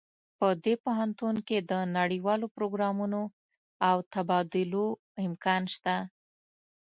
په دې پوهنتون کې د نړیوالو پروګرامونو او تبادلو امکان شته